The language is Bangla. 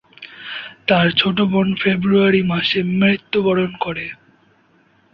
তার ছোট বোন ফেব্রুয়ারি মাসে মৃত্যুবরণ করে।